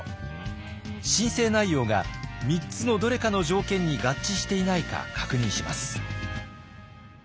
申請内容が３つのどれかの条件に合致していないか確認します。